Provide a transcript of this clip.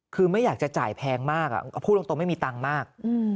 คือไม่อยากจะจ่ายแพงมากพูดตรงไม่มีตังค์มาก